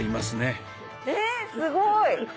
すごい。